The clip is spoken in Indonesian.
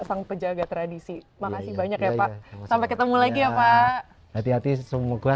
sang penjaga tradisi makasih banyak ya pak sampai ketemu lagi ya pak hati hati semoga